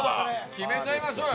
決めちゃいましょうよ。